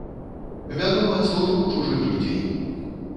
Вядома, служу ў чужых людзей.